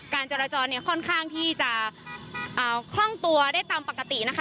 การจราจรค่อนข้างที่จะคร่องตัวได้ตามปกตินะคะ